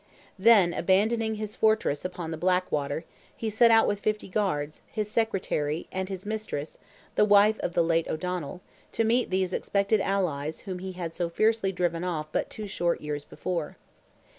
Then, abandoning his fortress upon the Blackwater, he set out with 50 guards, his secretary, and his mistress, the wife of the late O'Donnell, to meet these expected allies whom he had so fiercely driven off but two short years before.